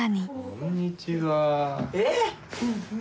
こんにちは。えっ！？